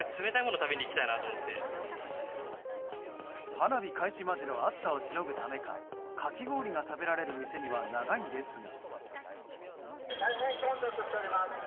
花火開始までの暑さをしのぐためかかき氷が食べられる店には長い列が。